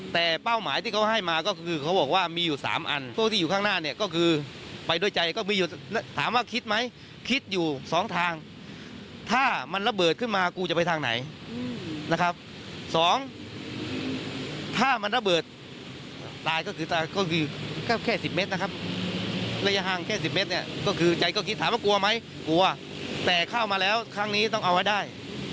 แต่เป้าหมายที่เขาให้มาก็คือเขาบอกว่ามีอยู่๓อันพวกที่อยู่ข้างหน้าเนี่ยก็คือไปด้วยใจก็มีอยู่ถามว่าคิดไหมคิดอยู่สองทางถ้ามันระเบิดขึ้นมากูจะไปทางไหนนะครับสองถ้ามันระเบิดตายก็คือตายก็คือแค่สิบเมตรนะครับระยะห่างแค่สิบเมตรเนี่ยก็คือใจก็คิดถามว่ากลัวไหมกลัวแต่เข้ามาแล้วครั้งนี้ต้องเอาไว้ได้